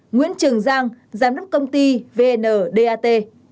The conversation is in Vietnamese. bảy nguyễn trường giang giám đốc công ty vndat